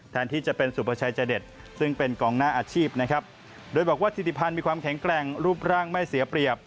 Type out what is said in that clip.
แทนที่จะเป็นสุประชายใจเด็ดซึ่งเป็นกองหน้าอาชีพนะครับ